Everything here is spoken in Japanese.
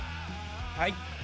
はい。